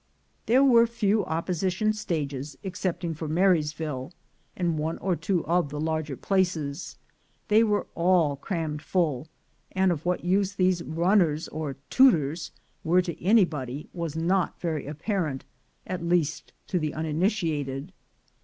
There were few opposition stages, excepting for Marysville, and one or two of the larger places; they were all crammed full — and of what use these "run ners" or "tooters" were to anybody, was not very apparent, at least to the uninitiated.